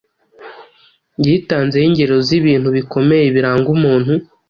Yitanzeho ingero z’ibintu bikomeye biranga umuntu,